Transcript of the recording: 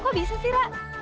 kok bisa sih ra